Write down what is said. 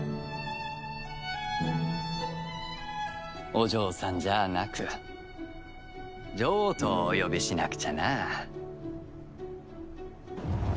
お嬢さんじゃあなく女王とお呼びしなくちゃな。